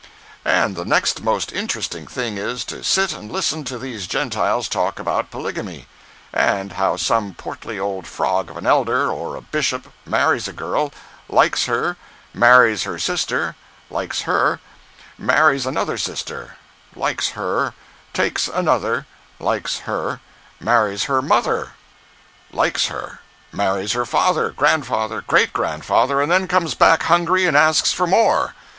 And the next most interesting thing is to sit and listen to these Gentiles talk about polygamy; and how some portly old frog of an elder, or a bishop, marries a girl—likes her, marries her sister—likes her, marries another sister—likes her, takes another—likes her, marries her mother—likes her, marries her father, grandfather, great grandfather, and then comes back hungry and asks for more.